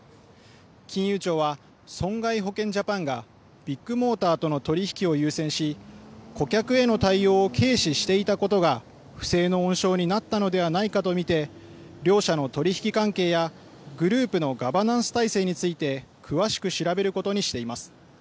金融庁は損害保険ジャパンがビッグモーターとの取り引きを優先し、顧客への対応を軽視していたことが不正の温床になったのではないかと見て両社の取り引き関係やグループのガバナンス体制について詳しく調べることにしています。